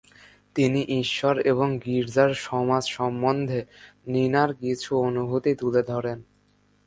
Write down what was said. তিনি ঈশ্বর এবং গির্জার সমাজ সম্বন্ধে নিনার কিছু অনুভূতি তুলে ধরেন।